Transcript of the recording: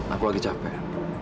aku lagi capek